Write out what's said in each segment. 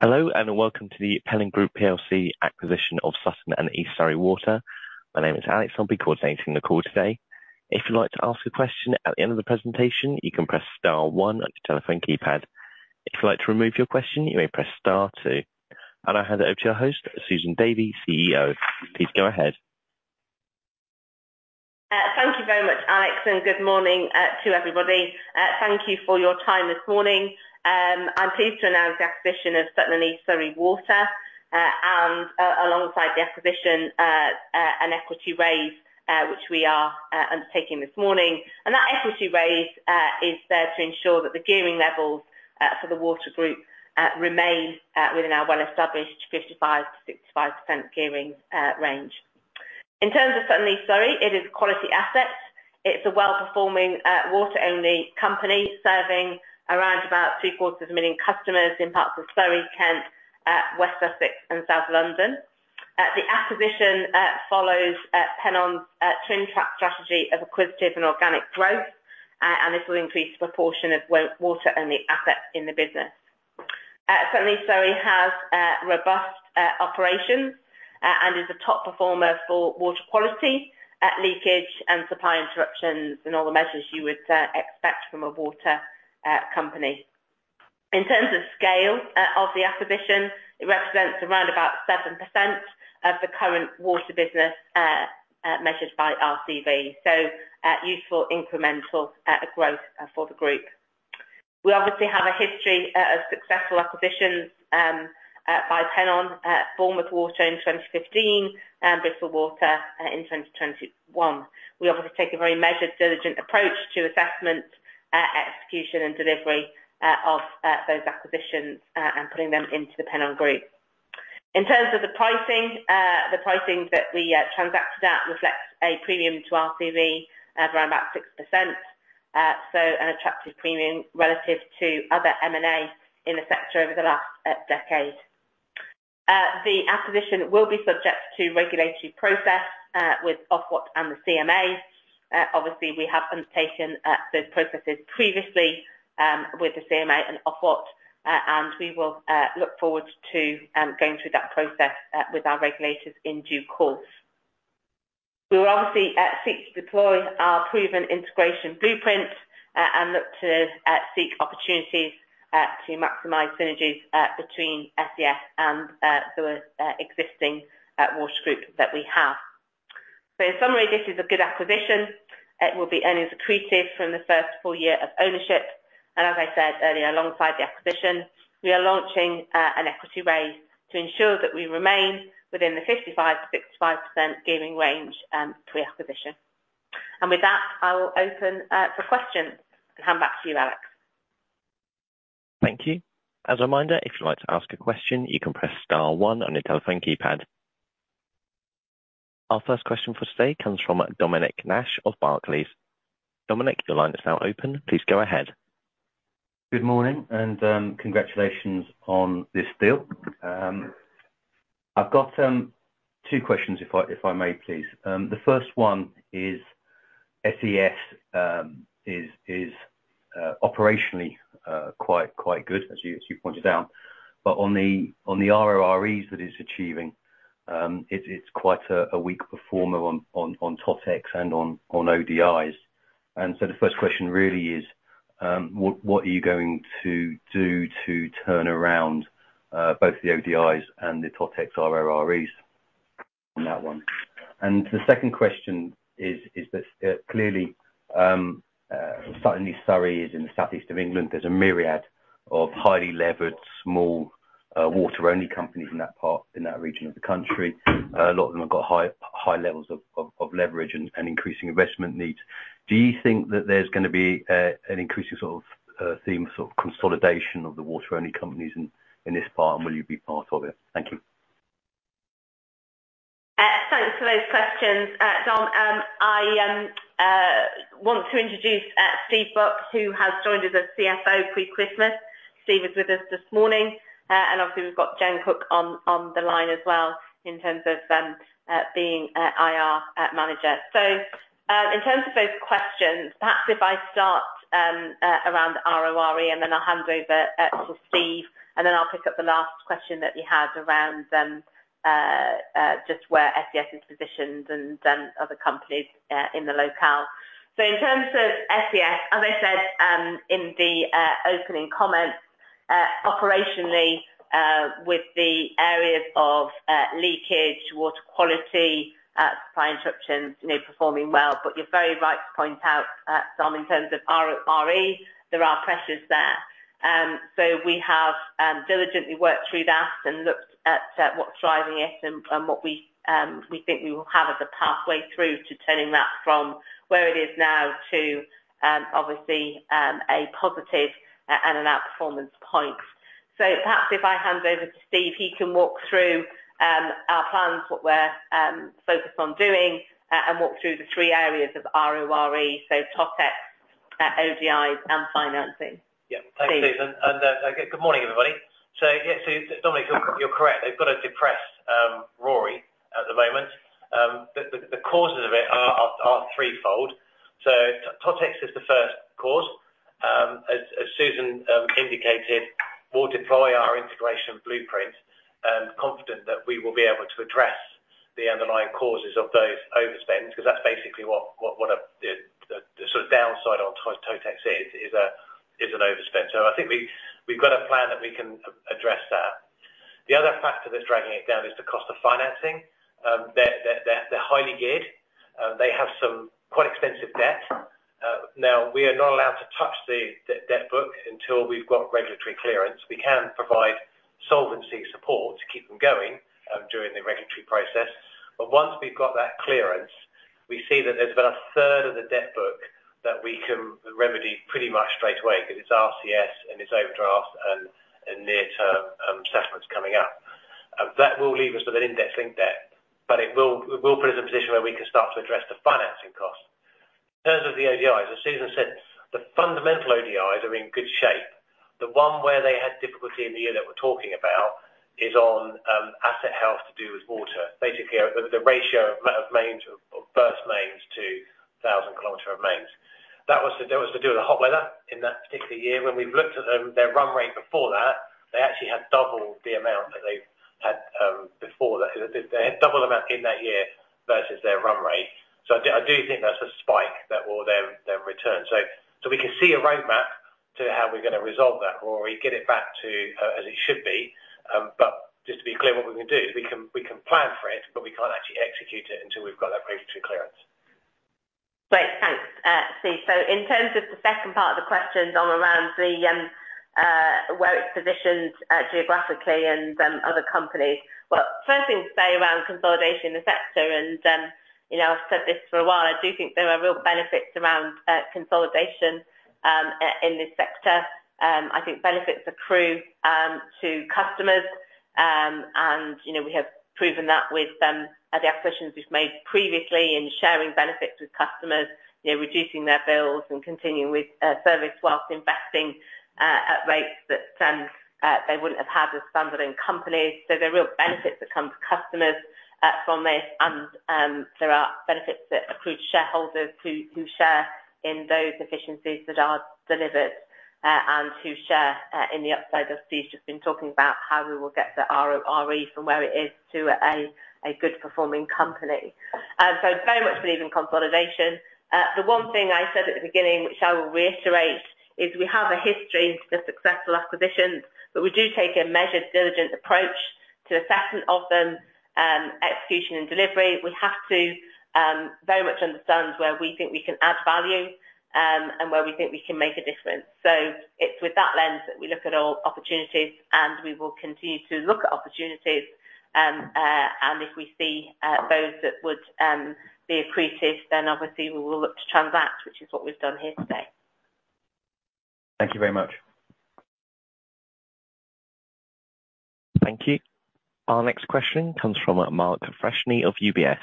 Hello, and welcome to the Pennon Group plc acquisition of Sutton and East Surrey Water. My name is Alex. I'll be coordinating the call today. If you'd like to ask a question at the end of the presentation, you can press star one on your telephone keypad. If you'd like to remove your question, you may press star two. I hand it over to our host, Susan Davy, CEO. Please go ahead. Thank you very much, Alex, and good morning to everybody. Thank you for your time this morning. I'm pleased to announce the acquisition of Sutton and East Surrey Water, and alongside the acquisition, an equity raise, which we are undertaking this morning. That equity raise is there to ensure that the gearing levels for the water group remain within our well-established 55%-65% gearing range. In terms of Sutton and East Surrey, it is a quality asset. It's a well-performing water-only company serving around 750,000 customers in parts of Surrey, Kent, West Sussex, and South London. The acquisition follows Pennon's twin track strategy of acquisitive and organic growth, and this will increase the proportion of water-only assets in the business. Sutton and East Surrey has robust operations and is a top performer for water quality at leakage and supply interruptions, and all the measures you would expect from a water company. In terms of scale of the acquisition, it represents around about 7% of the current water business measured by RCV, so a useful incremental growth for the group. We obviously have a history of successful acquisitions by Pennon, Bournemouth Water in 2015 and Bristol Water in 2021. We obviously take a very measured, diligent approach to assessment execution, and delivery of those acquisitions and putting them into the Pennon group. In terms of the pricing, the pricing that we transacted at reflects a premium to RCV of around about 6%, so an attractive premium relative to other M&A in the sector over the last decade. The acquisition will be subject to regulatory process with Ofwat and the CMA. Obviously, we have undertaken those processes previously with the CMA and Ofwat, and we will look forward to going through that process with our regulators in due course. We will obviously seek to deploy our proven integration blueprint, and look to seek opportunities to maximize synergies between SES and the existing water group that we have. So in summary, this is a good acquisition. It will be earnings accretive from the first full year of ownership, and as I said earlier, alongside the acquisition, we are launching an equity raise to ensure that we remain within the 55%-65% gearing range, pre-acquisition. And with that, I will open for questions and come back to you, Alex. Thank you. As a reminder, if you'd like to ask a question, you can press star one on your telephone keypad. Our first question for today comes from Dominic Nash of Barclays. Dominic, your line is now open. Please go ahead. Good morning, and congratulations on this deal. I've got two questions, if I may please. The first one is SES is operationally quite good, as you pointed out, but on the RoREs that it's achieving, it's quite a weak performer on Totex and on ODIs. And so the first question really is, what are you going to do to turn around both the ODIs and the Totex RoREs on that one? And the second question is that clearly Sutton and East Surrey is in the southeast of England. There's a myriad of highly levered, small water-only companies in that part, in that region of the country. A lot of them have got high levels of leverage and increasing investment needs. Do you think that there's gonna be an increasing sort of theme of sort of consolidation of the water-only companies in this part, and will you be part of it? Thank you. Thanks for those questions, Dom. I want to introduce Steve Buck, who has joined as CFO pre-Christmas. Steve is with us this morning, and obviously, we've got Jen Cook on the line as well, in terms of being an IR manager. So, in terms of those questions, perhaps if I start around the RoRE, and then I'll hand over to Steve, and then I'll pick up the last question that you had around just where SES is positioned and other companies in the locale. So in terms of SES, as I said, in the opening comments, operationally, with the areas of leakage, water quality, supply interruptions, you know, performing well, but you're very right to point out, Dom, in terms of RoRE, there are pressures there. So we have diligently worked through that and looked at what's driving it and what we think we will have as a pathway through to turning that from where it is now to obviously a positive and an outperformance point. So perhaps if I hand over to Steve, he can walk through our plans, what we're focused on doing, and walk through the three areas of RoRE, so Totex, ODIs, and financing. Yeah. Steve. Thanks, Susan, and good morning, everybody. Yes, Dominic, you're correct. They've got a depressed RoRE at the moment. The causes of it are threefold. Totex is the first cause. As Susan indicated, we'll deploy our integration blueprint and confident that we will be able to address the underlying causes of those overspends, 'cause that's basically what the sort of downside on Totex is an overspend. I think we've got a plan that we can address that. The other factor that's dragging it down is the cost of financing. They're highly geared. They have some quite expensive debt. Now we are not allowed to touch the debt book until we've got regulatory clearance. We can provide solvency support to keep them going during the regulatory process. But once we've got that clearance, we see that there's about a third of the debt book that we can remedy pretty much straight away, 'cause it's RCS, and it's overdraft and near-term settlements coming up. That will leave us with an index-linked debt, but it will put us in a position where we can start to address the financing cost. In terms of the ODIs, as Susan said, the fundamental ODIs are in good shape. The one where they had difficulty in the year that we're talking about is on asset health to do with water. Basically, the ratio of burst mains to thousand kilometers of mains. That was to do with the hot weather in that particular year. When we've looked at them, their run rate before that, they actually had double the amount that they've had, before that. They had double amount in that year versus their run rate. So I do, I do think that's a spike that will then, then return. So, so we can see a roadmap to how we're gonna resolve that or we get it back to, as it should be. But just to be clear, what we can do is we can, we can plan for it, but we can't actually execute it until we've got that regulatory clearance. Great, thanks, Steve. So in terms of the second part of the question on around the where it's positioned, geographically and then other companies. Well, first thing to say around consolidation in the sector and, you know, I've said this for a while, I do think there are real benefits around consolidation in this sector. I think benefits accrue to customers. You know, we have proven that with the acquisitions we've made previously in sharing benefits with customers, you know, reducing their bills and continuing with service whilst investing at rates that they wouldn't have had with standalone companies. So there are real benefits that come to customers from this, and there are benefits that accrue to shareholders who share in those efficiencies that are delivered, and who share in the upside, as Steve's just been talking about, how we will get the RORE from where it is to a good performing company. So very much believe in consolidation. The one thing I said at the beginning, which I will reiterate, is we have a history of successful acquisitions, but we do take a measured, diligent approach to assessment of them, execution and delivery. We have to very much understand where we think we can add value, and where we think we can make a difference. So it's with that lens that we look at all opportunities, and we will continue to look at opportunities. If we see those that would be accretive, then obviously we will look to transact, which is what we've done here today. Thank you very much. Thank you. Our next question comes from Mark Freshney of UBS.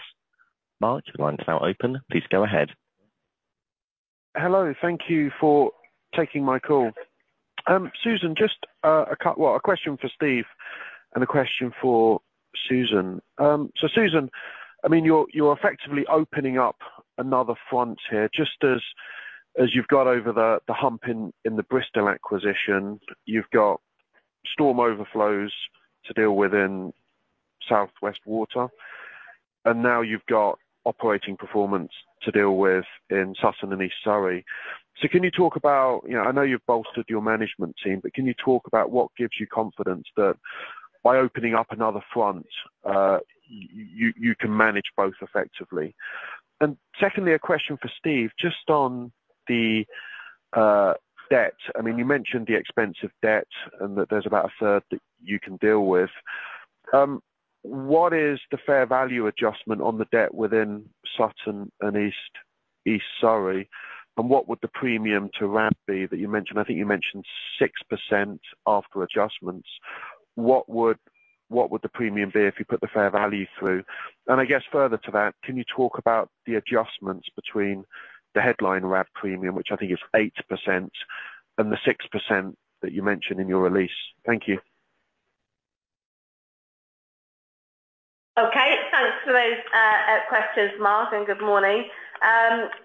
Mark, the line is now open. Please go ahead. Hello, thank you for taking my call. Susan, just, well, a question for Steve and a question for Susan. So Susan, I mean, you're effectively opening up another front here, just as you've got over the hump in the Bristol acquisition, you've got storm overflows to deal with in South West Water, and now you've got operating performance to deal with in Sutton and East Surrey. So can you talk about... You know, I know you've bolstered your management team, but can you talk about what gives you confidence that by opening up another front, you can manage both effectively? And secondly, a question for Steve, just on the debt. I mean, you mentioned the expensive debt and that there's about a third that you can deal with. What is the fair value adjustment on the debt within Sutton and East, East Surrey? And what would the premium to RAB be that you mentioned? I think you mentioned 6% after adjustments. What would, what would the premium be if you put the fair value through? And I guess further to that, can you talk about the adjustments between the headline RAB premium, which I think is 8%, and the 6% that you mentioned in your release? Thank you. Okay, thanks for those questions, Mark, and good morning.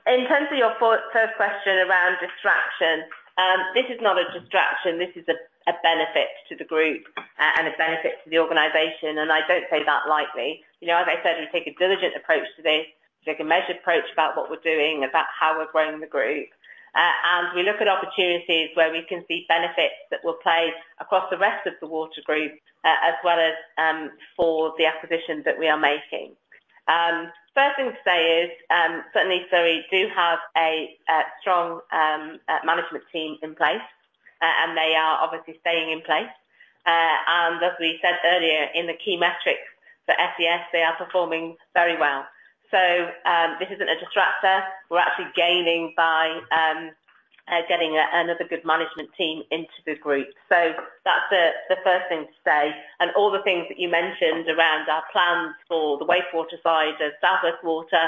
In terms of your first question around distraction, this is not a distraction. This is a benefit to the group, and a benefit to the organization, and I don't say that lightly. You know, as I said, we take a diligent approach to this. We take a measured approach about what we're doing, about how we're growing the group. And we look at opportunities where we can see benefits that will play across the rest of the water group, as well as for the acquisitions that we are making. First thing to say is, Sutton and East Surrey we do have a strong management team in place, and they are obviously staying in place. And as we said earlier, in the key metrics for SES, they are performing very well. So, this isn't a distractor. We're actually gaining by getting another good management team into the group. So that's the first thing to say, and all the things that you mentioned around our plans for the wastewater side of South West Water,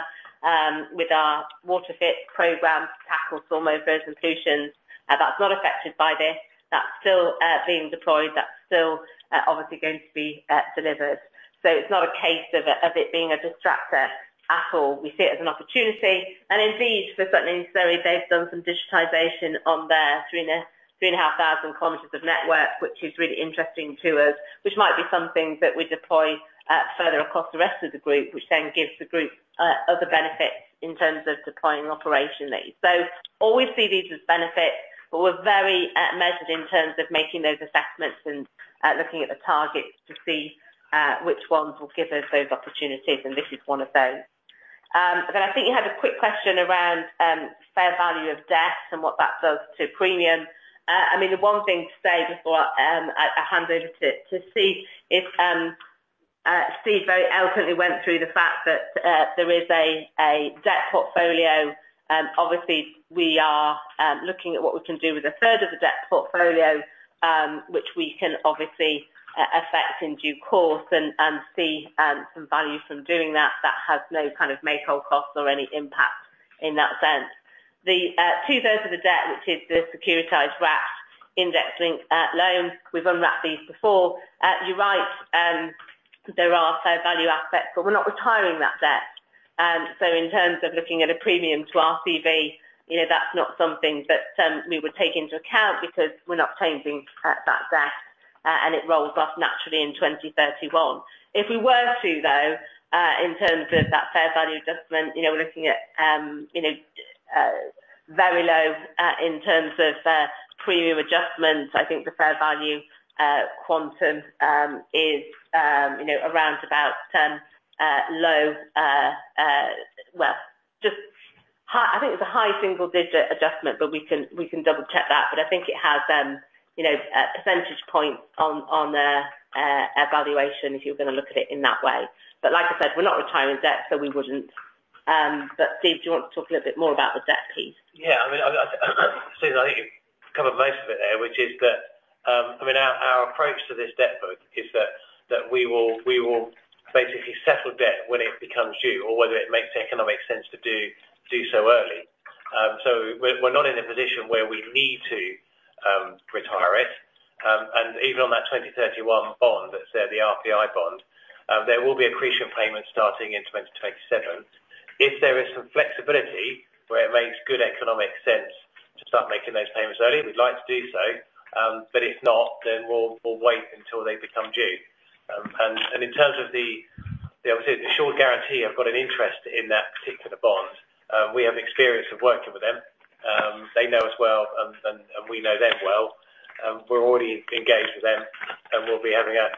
with our WaterFit program to tackle storm overflow and solutions, that's not affected by this. That's still being deployed, that's still obviously going to be delivered. So it's not a case of it being a distractor at all. We see it as an opportunity, and indeed, for Sutton and East Surrey, they've done some digitization on their 3,500 kilometers of network, which is really interesting to us, which might be something that we deploy further across the rest of the group, which then gives the group other benefits in terms of deploying operationally. So always see these as benefits, but we're very measured in terms of making those assessments and looking at the targets to see which ones will give us those opportunities, and this is one of those. But I think you had a quick question around fair value of debt and what that does to premium. I mean, the one thing to say before I hand over to Steve is Steve very eloquently went through the fact that there is a debt portfolio. Obviously, we are looking at what we can do with a third of the debt portfolio, which we can obviously affect in due course and see some value from doing that, that has no kind of make-whole costs or any impact in that sense. The two-thirds of the debt, which is the securitized wrapped index-linked loan, we've unwrapped these before. You're right, there are fair value aspects, but we're not retiring that debt. So in terms of looking at a premium to our CV, you know, that's not something that, we would take into account because we're not changing, that debt, and it rolls off naturally in 2031. If we were to, though, in terms of that fair value adjustment, you know, we're looking at, you know, very low, in terms of, premium adjustments. I think the fair value, quantum, is, you know, around about, low... Well, just high - I think it's a high single digit adjustment, but we can, we can double-check that. But I think it has, you know, a percentage point on, on the, valuation, if you're going to look at it in that way. But like I said, we're not retiring debt, so we wouldn't. Steve, do you want to talk a little bit more about the debt piece? Yeah, I mean, Susan, I think you've covered most of it there, which is that, I mean, our approach to this debt book is that we will basically settle debt when it becomes due or whether it makes economic sense to do so early. So we're not in a position where we need to retire it. And even on that 2031 bond, that's the RPI bond, there will be accretion payments starting in 2027. If there is some flexibility where it makes good economic sense to start making those payments early, we'd like to do so. But if not, then we'll wait until they become due. And in terms of the obviously, the Assured Guaranty, I've got an interest in that particular bond. We have experience of working with them. They know us well, and we know them well. We're already engaged with them, and we'll be having a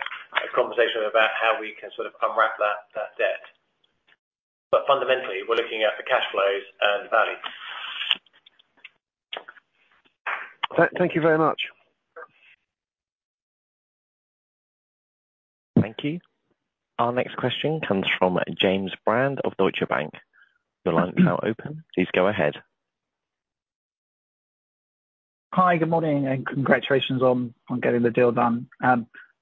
conversation about how we can sort of unwrap that debt. But fundamentally, we're looking at the cash flows and value. Thank you very much. Thank you. Our next question comes from James Brand of Deutsche Bank. Your line is now open. Please go ahead. Hi, good morning, and congratulations on getting the deal done. I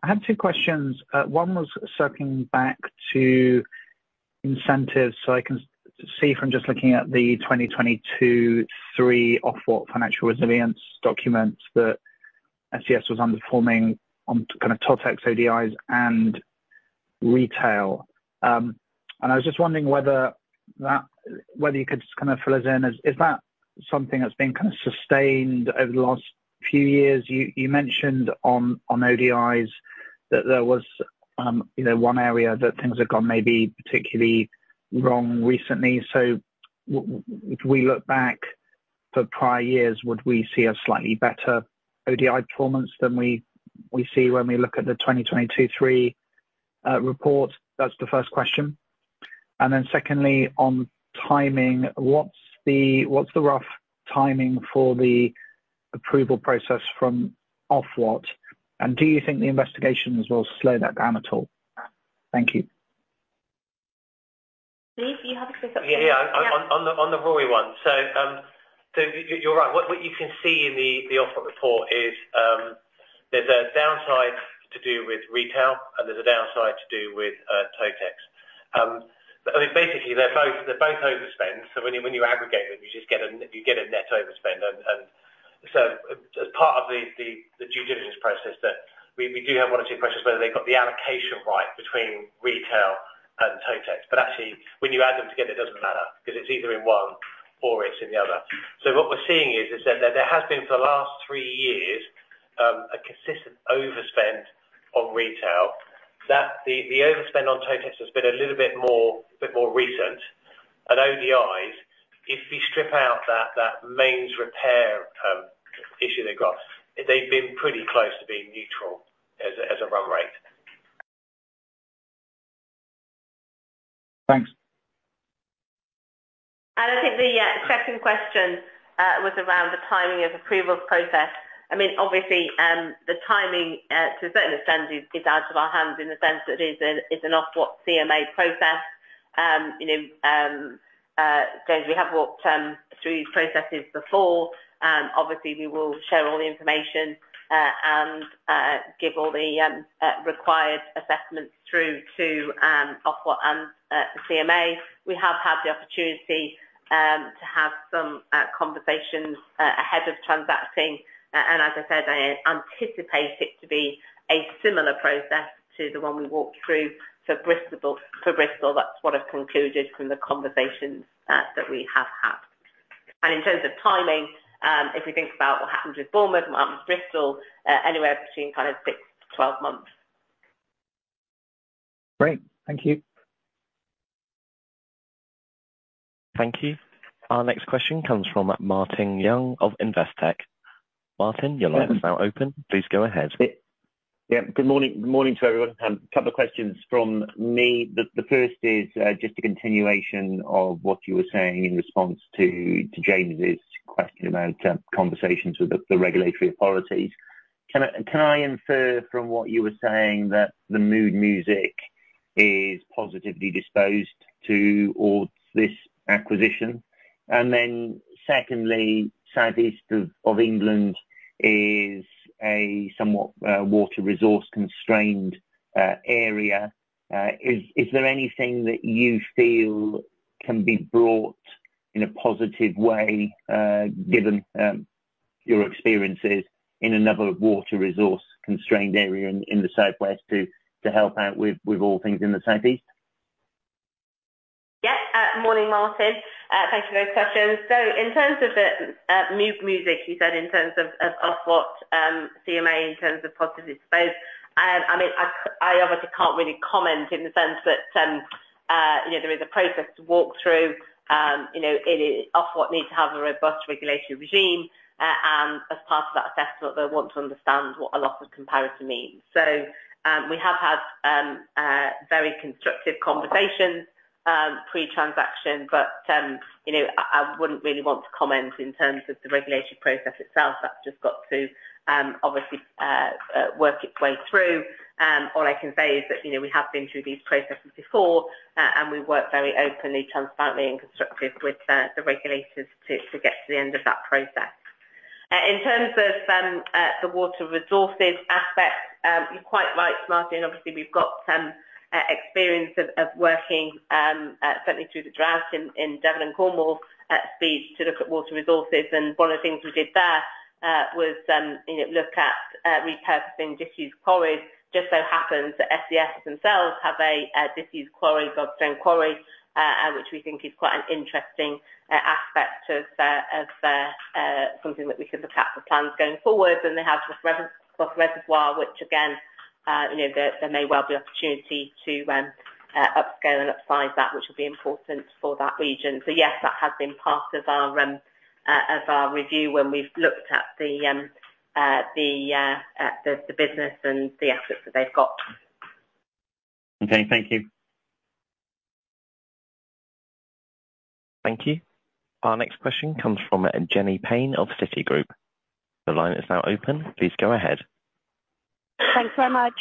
had two questions. One was circling back to incentives. So I can see from just looking at the 2022/23 Ofwat financial resilience documents that SES was underperforming on kind of Totex, ODIs, and retail. And I was just wondering whether that—whether you could just kind of fill us in. Is that something that's been kind of sustained over the last few years? You mentioned on ODIs that there was, you know, one area that things have gone maybe particularly wrong recently. So if we look back for prior years, would we see a slightly better ODI performance than we see when we look at the 2022/23 report? That's the first question. And then secondly, on timing, what's the rough timing for the approval process from Ofwat? And do you think the investigations will slow that down at all? Thank you. Steve, do you have a quick update? Yeah, yeah. Yeah. On the RoRE one. So, you're right. What you can see in the Ofwat report is, there's a downside to do with retail, and there's a downside to do with Totex. But basically, they're both overspend, so when you aggregate them, you just get a net overspend. And so as part of the due diligence process that we do have one or two questions, whether they got the allocation right between retail and Totex. But actually, when you add them together, it doesn't matter, because it's either in one or it's in the other. So what we're seeing is that there has been for the last three years a consistent overspend on retail. That the overspend on Totex has been a little bit more recent. And ODIs, if we strip out that mains repair issue they've got, they've been pretty close to being neutral as a run rate. Thanks. And I think the second question was around the timing of approval process. I mean, obviously, the timing to a certain extent is out of our hands, in the sense that it's an Ofwat CMA process. You know, as we have walked through these processes before, obviously we will share all the information and give all the required assessments through to Ofwat and CMA. We have had the opportunity to have some conversations ahead of transacting. And as I said, I anticipate it to be a similar process to the one we walked through for Bristol. That's what I've concluded from the conversations that we have had. In terms of timing, if we think about what happened with Bournemouth, what happened with Bristol, anywhere between kind of 6-12 months. Great. Thank you. Thank you. Our next question comes from Martin Young of Investec. Martin, your line is now open. Please go ahead. Yeah. Good morning, good morning to everyone. A couple of questions from me. The first is just a continuation of what you were saying in response to James' question about conversations with the regulatory authorities. Can I infer from what you were saying that the mood music is positively disposed to this acquisition? And then secondly, Southeast of England is a somewhat water resource-constrained area. Is there anything that you feel can be brought in a positive way, given your experiences in another water resource-constrained area in the Southwest to help out with all things in the Southeast? Yeah. Morning, Martin. Thank you for those questions. So in terms of the mood music, you said in terms of Ofwat, CMA, in terms of positive space, I mean, I obviously can't really comment in the sense that you know, there is a process to walk through. You know, it is. Ofwat needs to have a robust regulatory regime, and as part of that assessment, they'll want to understand what a loss of comparison means. So, we have had a very constructive conversation pre-transaction, but you know, I wouldn't really want to comment in terms of the regulatory process itself. That's just got to obviously work its way through. All I can say is that, you know, we have been through these processes before, and we work very openly, transparently, and constructively with the regulators to get to the end of that process. In terms of the water resources aspect, you're quite right, Martin. Obviously, we've got experience of working certainly through the drought in Devon and Cornwall, speed to look at water resources. And one of the things we did there was, you know, look at repurposing disused quarries. Just so happens that SES themselves have a disused quarry, Godstone Quarry, which we think is quite an interesting aspect to the of the something that we can look at for plans going forward. And they have this Bough Beech Reservoir, which again, you know, there may well be opportunity to upscale and upsize that, which will be important for that region. So yes, that has been part of our review when we've looked at the business and the assets that they've got. Okay, thank you. Thank you. Our next question comes from Jenny Ping of Citigroup. The line is now open. Please go ahead. Thanks very much.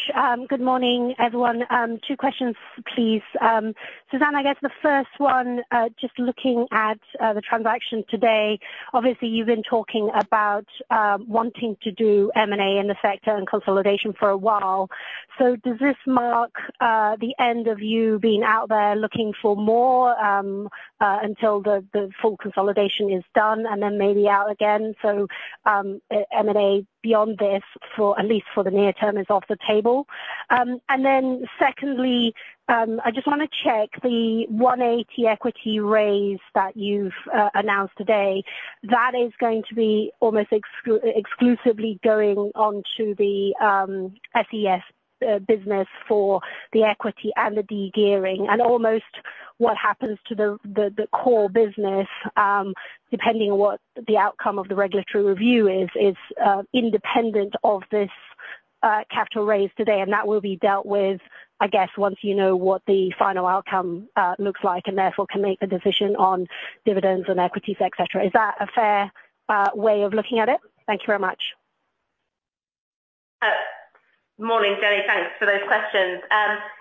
Good morning, everyone. Two questions, please. Susan, I guess the first one, just looking at the transaction today, obviously, you've been talking about wanting to do M&A in the sector and consolidation for a while. So does this mark the end of you being out there looking for more, until the full consolidation is done and then maybe out again? So, M&A beyond this, for at least for the near term, is off the table. And then secondly, I just want to check the 180 equity raise that you've announced today, that is going to be almost exclusively going on to the SES business for the equity and the de-gearing. Almost what happens to the core business, depending on what the outcome of the regulatory review is, is independent of this capital raise today, and that will be dealt with, I guess, once you know what the final outcome looks like, and therefore can make a decision on dividends and equities, et cetera. Is that a fair way of looking at it? Thank you very much. Good morning, Jenny. Thanks for those questions.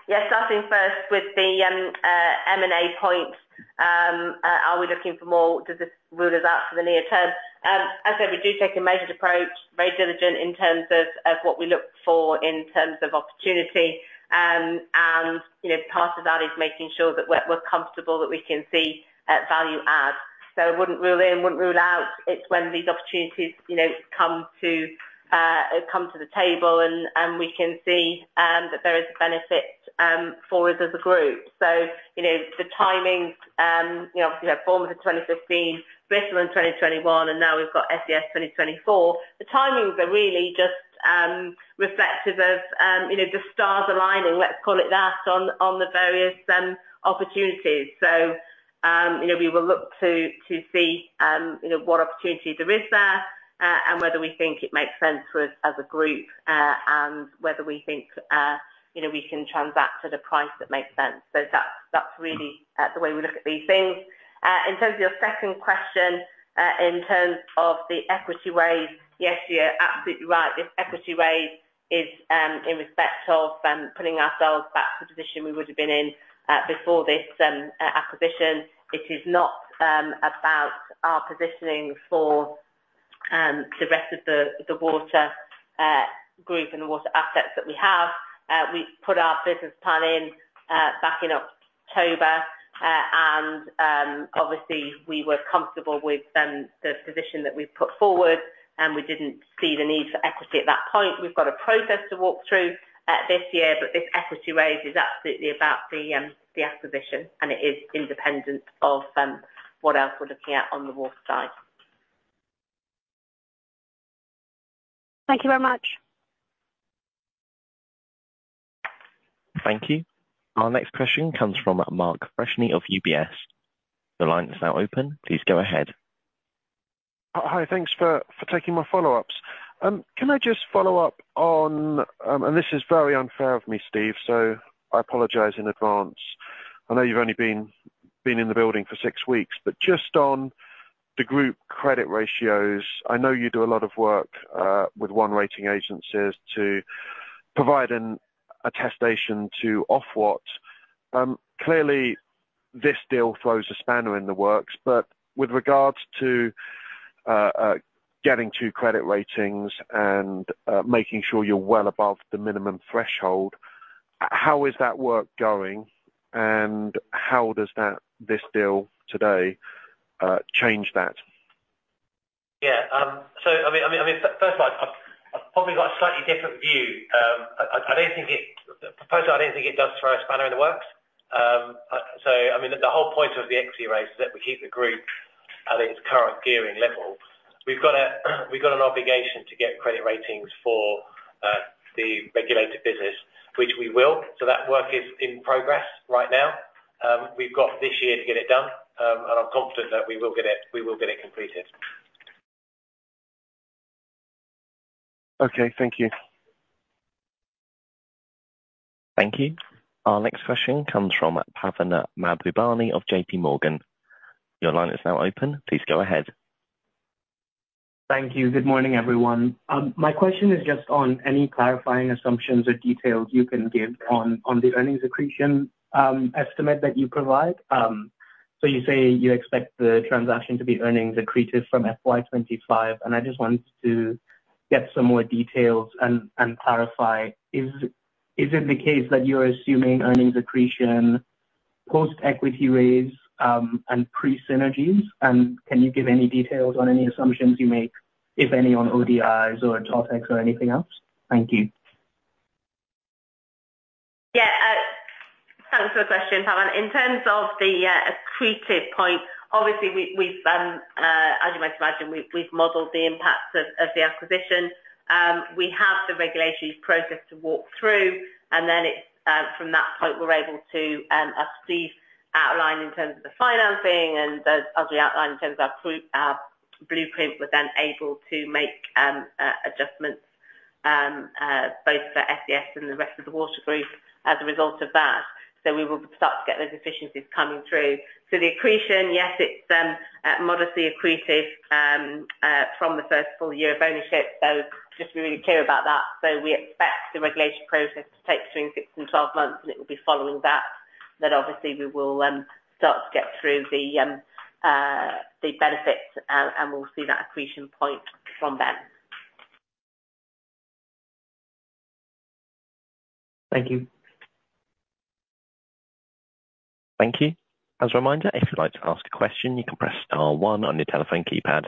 Yeah, starting first with the M&A point, are we looking for more? Does this rule us out for the near term? As I said, we do take a measured approach, very diligent in terms of what we look for in terms of opportunity. You know, part of that is making sure that we're comfortable that we can see value add. So wouldn't rule in, wouldn't rule out. It's when these opportunities, you know, come to the table and we can see that there is a benefit for us as a group. So, you know, the timing, you know, obviously we have Bournemouth in 2015, Bristol in 2021, and now we've got SES 2024. The timings are really just reflective of, you know, the stars aligning, let's call it that, on the various opportunities. So, you know, we will look to see, you know, what opportunity there is there and whether we think it makes sense to us as a group, and whether we think, you know, we can transact at a price that makes sense. So that's, that's really the way we look at these things. In terms of your second question, in terms of the equity raise, yes, you're absolutely right. This equity raise is in respect of putting ourselves back to the position we would have been in before this acquisition. It is not about our positioning for the rest of the water group and the water assets that we have. We put our business plan in back in October. And obviously, we were comfortable with the position that we've put forward, and we didn't see the need for equity at that point. We've got a process to walk through this year, but this equity raise is absolutely about the acquisition, and it is independent of what else we're looking at on the water side. Thank you very much. Thank you. Our next question comes from Mark Freshney of UBS. Your line is now open. Please go ahead. Hi, thanks for taking my follow-ups. Can I just follow up on... And this is very unfair of me, Steve, so I apologize in advance. I know you've only been in the building for six weeks, but just on the group credit ratios, I know you do a lot of work with one rating agencies to provide an attestation to Ofwat. Clearly, this deal throws a spanner in the works, but with regards to getting two credit ratings and making sure you're well above the minimum threshold, how is that work going, and how does that—this deal today change that? Yeah, so I mean, first of all, I've probably got a slightly different view. I don't think it... Personally, I don't think it does throw a spanner in the works. So, I mean, the whole point of the equity raise is that we keep the group at its current gearing level. We've got an obligation to get credit ratings for the regulated business, which we will. So that work is in progress right now. We've got this year to get it done, and I'm confident that we will get it completed. Okay, thank you. Thank you. Our next question comes from Pavan Mahbubani of JPMorgan. Your line is now open. Please go ahead. Thank you. Good morning, everyone. My question is just on any clarifying assumptions or details you can give on the earnings accretion estimate that you provide. So you say you expect the transaction to be earnings accretive from FY 25, and I just wanted to get some more details and clarify. Is it the case that you're assuming earnings accretion, post-equity raise, and pre-synergies? And can you give any details on any assumptions you make, if any, on ODIs or Totex or anything else? Thank you. Yeah, thanks for the question, Pavan. In terms of the accretive point, obviously, we've as you might imagine, we've modeled the impacts of the acquisition. We have the regulatory process to walk through, and then it's from that point, we're able to, as Steve outlined in terms of the financing and as we outlined in terms of our blueprint, we're then able to make adjustments both for SES and the rest of the water group as a result of that. So we will start to get those efficiencies coming through. So the accretion, yes, it's modestly accretive from the first full year of ownership, so just be really clear about that. We expect the regulation process to take between six and 12 months, and it will be following that obviously we will start to get through the benefits, and we'll see that accretion point from then. Thank you. Thank you. As a reminder, if you'd like to ask a question, you can press star one on your telephone keypad.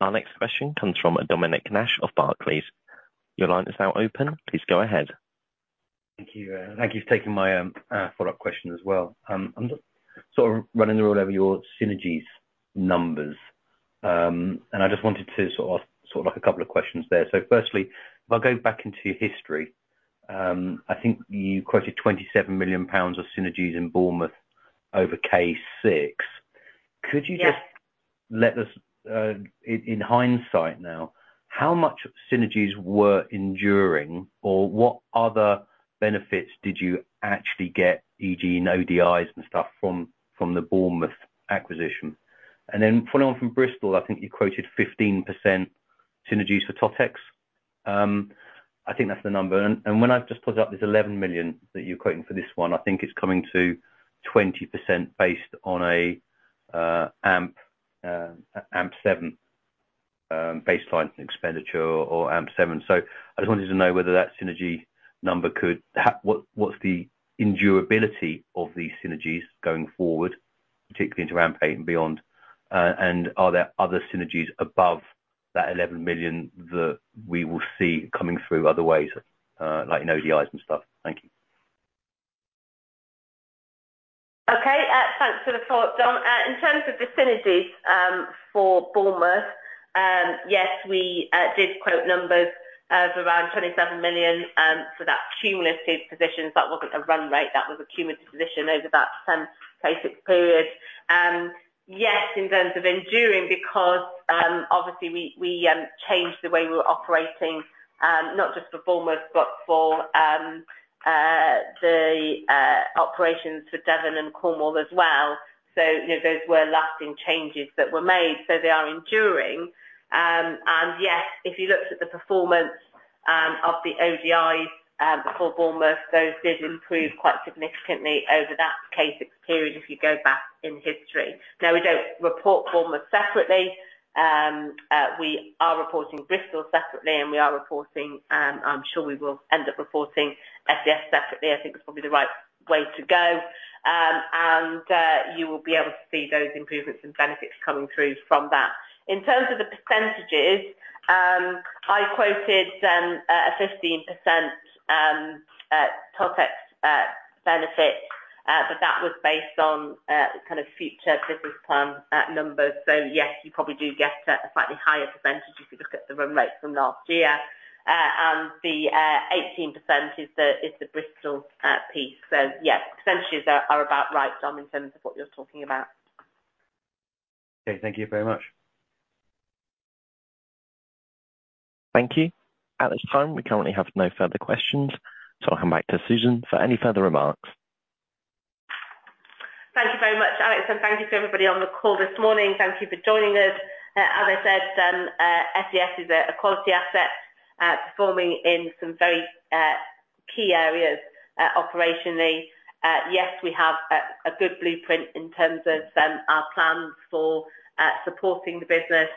Our next question comes from Dominic Nash of Barclays. Your line is now open. Please go ahead. Thank you. Thank you for taking my follow-up question as well. I'm just sort of running the rule over your synergies numbers. I just wanted to sort of, sort of like a couple of questions there. So firstly, if I go back into your history, I think you quoted 27 million pounds of synergies in Bournemouth over K6. Yes. Could you just let us, in hindsight now, how much synergies were enduring, or what other benefits did you actually get, e.g., no ODIs and stuff from the Bournemouth acquisition? And then following on from Bristol, I think you quoted 15% synergies for Totex. I think that's the number. And when I've just put it up, there's 11 million that you're quoting for this one. I think it's coming to 20% based on a AMP7 baseline expenditure or AMP7. So I just wanted to know whether that synergy number could, what's the endurability of these synergies going forward, particularly into AMP8 and beyond? And are there other synergies above that 11 million that we will see coming through other ways, like, you know, ODIs and stuff? Thank you. Okay, thanks for the follow-up, Dom. In terms of the synergies, for Bournemouth, yes, we did quote numbers of around 27 million for that cumulative position. That wasn't a run rate, that was a cumulative position over that 10-year period. Yes, in terms of enduring, because obviously we changed the way we were operating, not just for Bournemouth, but for the operations for Devon and Cornwall as well. So those were lasting changes that were made, so they are enduring. And yes, if you looked at the performance of the ODIs for Bournemouth, those did improve quite significantly over that same period, if you go back in history. Now, we don't report Bournemouth separately. We are reporting Bristol separately, and we are reporting, I'm sure we will end up reporting SES separately. I think it's probably the right way to go. And you will be able to see those improvements and benefits coming through from that. In terms of the percentages, I quoted a 15% Totex benefit, but that was based on kind of future business plan numbers. So yes, you probably do get a slightly higher percentage if you look at the run rates from last year. And the 18% is the Bristol piece. So yes, percentages are about right, Dom, in terms of what you're talking about. Okay, thank you very much. Thank you. At this time, we currently have no further questions, so I'll hand back to Susan for any further remarks. Thank you very much, Alex, and thank you for everybody on the call this morning. Thank you for joining us. As I said, SES is a quality asset, performing in some very key areas, operationally. Yes, we have a good blueprint in terms of our plans for supporting the business,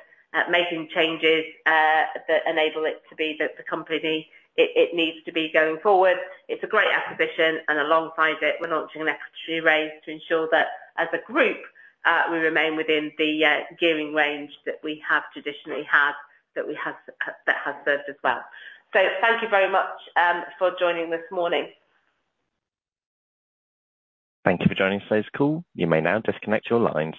making changes that enable it to be the company it needs to be going forward. It's a great acquisition, and alongside it, we're launching an equity raise to ensure that as a group, we remain within the gearing range that we have traditionally had, that we have, that has served us well. Thank you very much for joining this morning. Thank you for joining today's call. You may now disconnect your lines.